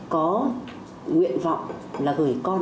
có nguyện vọng là gửi con